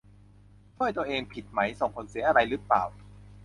ช่วยตัวเอง ผิดไหม ส่งผลเสียอะไรหรือเปล่า